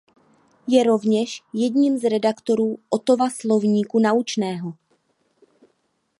Je rovněž jedním z redaktorů Ottova slovníku naučného.